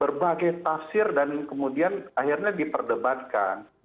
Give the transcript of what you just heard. berbagai tafsir dan kemudian akhirnya diperdebatkan